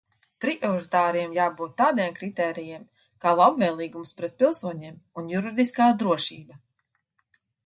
Prioritāriem jābūt tādiem kritērijiem kā labvēlīgums pret pilsoņiem un juridiskā drošība.